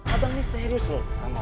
abang ini serius lu sama aku